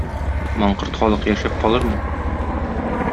Маңкорт халык яшәп калырмы?